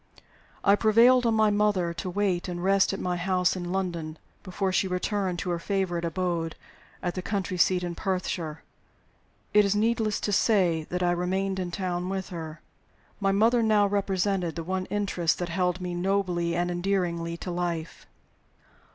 I prevailed on my mother to wait and rest at my house in London before she returned to her favorite abode at the country seat in Perthshire. It is needless to say that I remained in town with her. My mother now represented the one interest that held me nobly and endearingly to life.